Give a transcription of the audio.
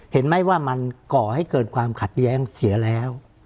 เห็นไหมว่ามันก่อให้เกิดความขัดแย้งเสียแล้ว